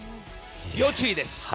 要注意です。